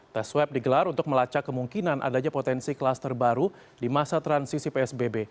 tes swab digelar untuk melacak kemungkinan adanya potensi klaster baru di masa transisi psbb